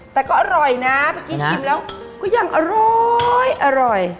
แต่ก็อร่อยนะเมื่อกี้ชิมแล้วก็ยังอร้อยอร่อย